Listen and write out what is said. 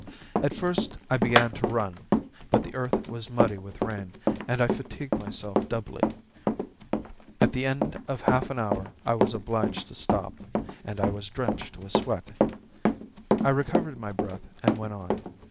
At first I began to run, but the earth was muddy with rain, and I fatigued myself doubly. At the end of half an hour I was obliged to stop, and I was drenched with sweat. I recovered my breath and went on.